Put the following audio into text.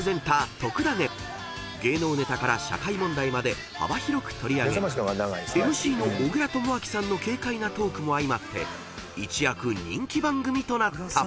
［芸能ネタから社会問題まで幅広く取り上げＭＣの小倉智昭さんの軽快なトークも相まって一躍人気番組となった］